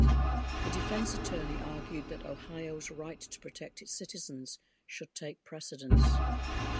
The defense attorney argued that Ohio's right to protect its citizens should take precedence.